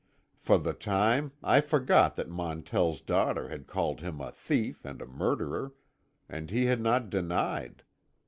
For the time I forgot that Montell's daughter had called him a thief and a murderer, and he had not denied.